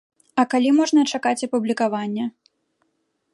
А калі можна чакаць апублікавання?